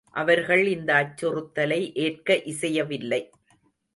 அவர்கள் இந்த அச்சுறுத்தலை ஏற்க இசையவில்லை.